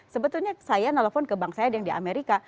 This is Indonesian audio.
sebetulnya saya nelfon ke bank saya ada yang di amerika